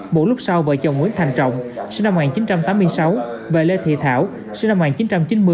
một lúc sau vợ chồng nguyễn thành trọng sinh năm một nghìn chín trăm tám mươi sáu và lê thị thảo sinh năm một nghìn chín trăm chín mươi